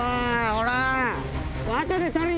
ほら！